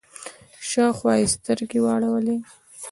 شاوخوا يې سترګې واړولې.